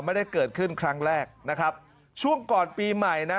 ไม่ได้เกิดขึ้นครั้งแรกนะครับช่วงก่อนปีใหม่นะ